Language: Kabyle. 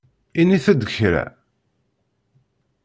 Init-d kra.